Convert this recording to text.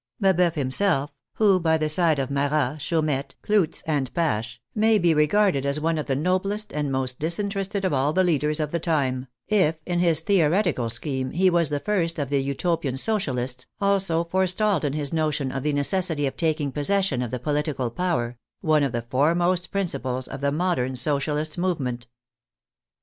Ba boeuf himself (who, by the side of Marat, Chaumette, Clootz and Pache, may be regarded as one of the no blest and most disinterested of all the leaders of the time) if, in his theoretical scheme, he was the first of the Uto pian Socialists, also forestalled in his notion of the neces sity of taking possession of the political power, one of the foremost principles of the modern Socialist move ment.